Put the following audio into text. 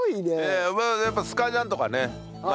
やっぱスカジャンとかね着るんで。